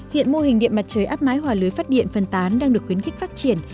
hiện mô hình điện mặt trời áp mái hòa lưới phát điện phân tán đang được khuyến khích phát triển